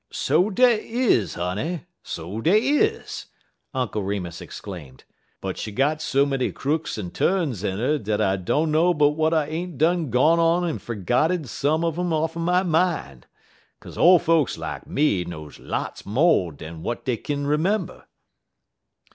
"So dey is, honey! so dey is!" Uncle Remus exclaimed, "but she got so many crooks en tu'ns in 'er dat I dunner but w'at I ain't done gone en fergotted some un um off'n my min'; 'kaze ole folks lak me knows lots mo' dan w'at dey kin 'member.